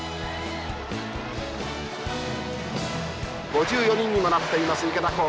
５４人にもなっています池田高校。